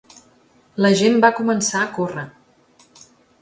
La gent va començar a córrer